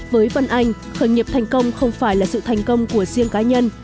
với vân anh khởi nghiệp thành công không phải là sự thành công của riêng cá nhân